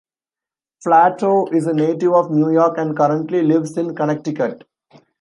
Flatow is a native of New York and currently lives in Connecticut.